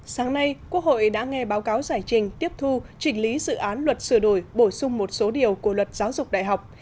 sáng nay quốc hội đã nghe báo cáo giải trình tiếp thu chỉnh lý dự án luật sửa đổi bổ sung một số điều của luật giáo dục đại học